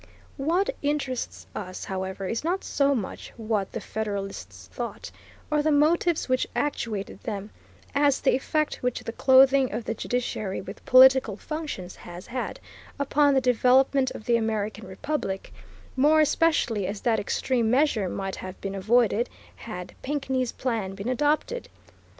What interests us, however, is not so much what the Federalists thought, or the motives which actuated them, as the effect which the clothing of the judiciary with political functions has had upon the development of the American republic, more especially as that extreme measure might have been avoided, had Pinckney's plan been adopted.